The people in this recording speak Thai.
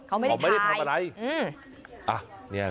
เขาไม่ได้ถ่าย